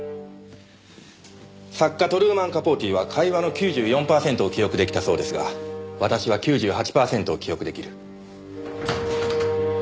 作家トルーマン・カポーティは会話の９４パーセントを記憶出来たそうですが私は９８パーセントを記憶出来る。